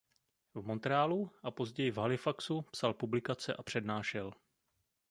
V Montrealu a později v Halifaxu psal publikace a přednášel.